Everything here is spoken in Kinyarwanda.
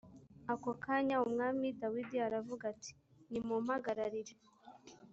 ako kanya umwami dawidi aravuga ati nimumpamagarire